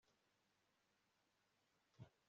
Bob yari hafi kugenda ubwo namuterefonaga